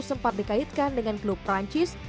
sempat dikaitkan dengan klub perancis